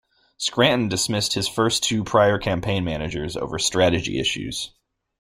Scranton dismissed his first two prior campaign managers over strategy issues.